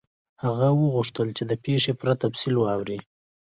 هغه وغوښتل چې د پیښې پوره تفصیل واوري.